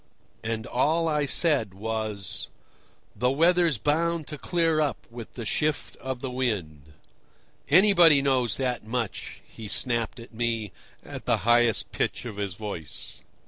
And all I said was: "The weather's bound to clear up with the shift of wind." "Anybody knows that much!" he snapped at me, at the highest pitch of his voice.